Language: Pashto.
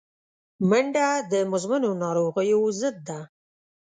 منډه د مزمنو ناروغیو ضد ده